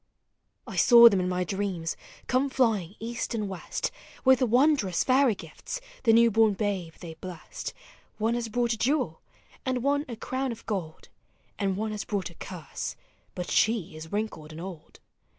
I saw them in my dreams— come Hying east and west, With wondrous fairy gifts— the new born babe they blessed; One has brought a jewel— and one a crown of gold, And one has brought a curse— but she is wrinkled and old.